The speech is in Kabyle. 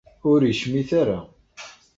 Ur icmit ara.